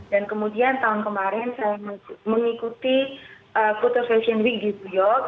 dan kemudian tahun kemarin saya mengikuti quarter fashion week di new york